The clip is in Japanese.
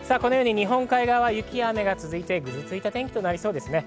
日本海側はこのように雪や雨が続いて、ぐずついた天気となりそうです。